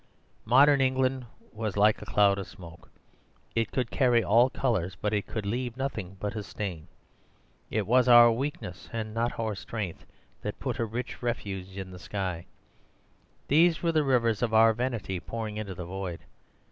"Modern England was like a cloud of smoke; it could carry all colours, but it could leave nothing but a stain. It was our weakness and not our strength that put a rich refuse in the sky. These were the rivers of our vanity pouring into the void.